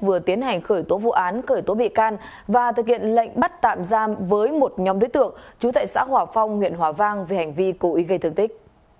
công an huyện hòa vang đã bắt tạm giam với một nhóm đối tượng trú tại xã hòa phong huyện hòa vang về hành vi cố ý gây thương tích